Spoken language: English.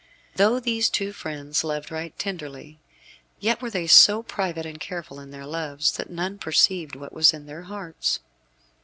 Though these two friends loved right tenderly, yet were they so private and careful in their loves that none perceived what was in their hearts.